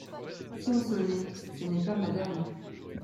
Si on sonnait … ce n'est pas MADAME.